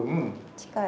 近い。